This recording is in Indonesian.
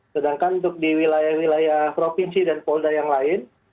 sedangkan untuk di wilayah wilayah provinsi dan polda yang lain